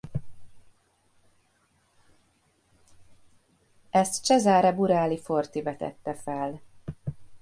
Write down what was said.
Ezt Cesare Burali-Forti vetette fel.